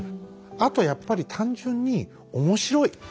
あとやっぱり単純に面白い。